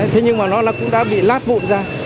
thế nhưng mà nó cũng đã bị lát vụn ra